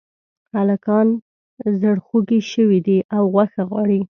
هلکان زړخوږي شوي دي او غوښه غواړي